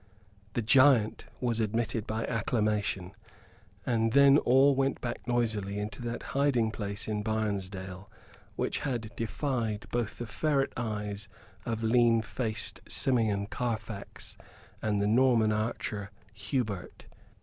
The giant was admitted by acclamation, and then all went back noisily into that hiding place in Barnesdale which had defied both the ferret eyes of lean faced Simeon Carfax and the Norman archer Hubert.